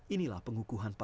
inilah pengukuhan pak